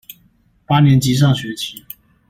八年級上學期